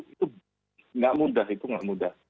itu nggak mudah itu nggak mudah